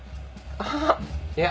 あぁいや。